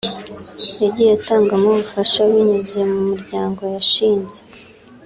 yagiye atangamo ubufasha binyuze mu muryango yashinze